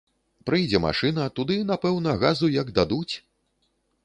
Прыйдзе машына, туды, напэўна, газу як дадуць!